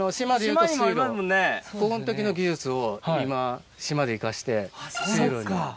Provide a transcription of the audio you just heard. ここん時の技術を今島で生かして水路に。